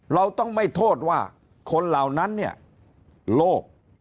เราต้องไม่โทษว่าคนเหล่านั้นเนี่ยโลก